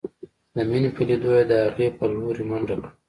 د مينې په ليدو يې د هغې په لورې منډه کړه.